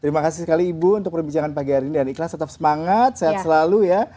terima kasih sekali ibu untuk perbincangan pagi hari ini dan ikhlas tetap semangat sehat selalu ya